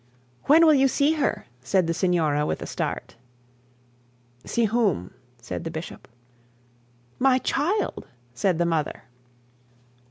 'When will you see her?' said the signora with a start. 'See whom?' said the bishop. 'My child,' said the mother.